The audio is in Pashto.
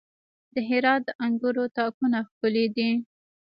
د هرات د انګورو تاکونه ښکلي دي.